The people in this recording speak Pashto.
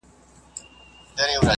بې ځایه تعصب د ټولني لپاره لوی غضب دی.